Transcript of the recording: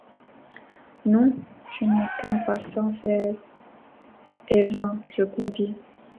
Non ! tu n’es qu’un passant frêle et vain. Je convie